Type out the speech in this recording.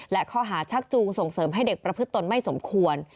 และข้อหาชักจูงส่งเสริมให้เด็กประพฤติตนไม่สมควร